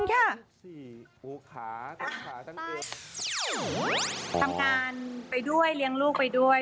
ทำงานไปด้วยเลี้ยงลูกไปด้วย